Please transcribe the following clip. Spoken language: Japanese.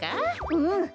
うん！